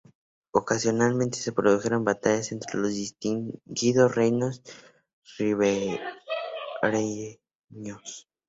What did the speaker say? Ocasionalmente se produjeron batallas entre los distintos reinos ribereños.